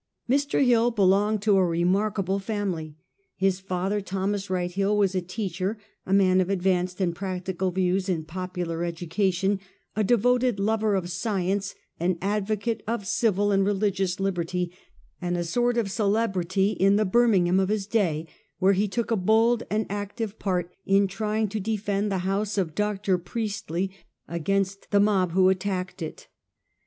Mr. Hill belonged to a remarkable f amil y. His father, Thomas Wright Hill, was a teacher, a man of advanced and practical views in popular education, a devoted lover of science, an advocate of civil and religious liberty, and a sort of celebrity in the Birmingham of his day, where he took a bold and active part in trying to defend the house of Dr. Priestley against the mob who attacked it.